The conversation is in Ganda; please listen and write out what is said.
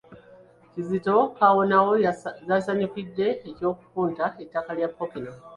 Kizito Kaawonawo yasanyukidde eky’okupunta ettaka lya Ppookino.